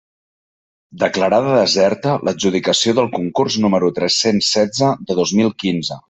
Declarada deserta l'adjudicació del concurs número tres-cents setze de dos mil quinze.